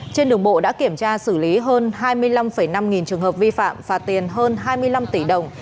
trên đường bộ đã kiểm tra xử lý hơn hai mươi năm năm nghìn trường hợp vi phạm phạt tiền hơn hai mươi năm tỷ đồng